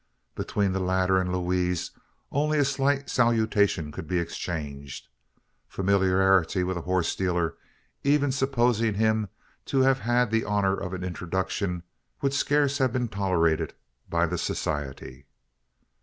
Between the latter and Louise only a slight salutation could be exchanged. Familiarity with a horse dealer even supposing him to have had the honour of an introduction would scarce have been tolerated by the "society."